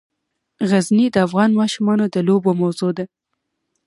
غزني د افغان ماشومانو د لوبو موضوع ده.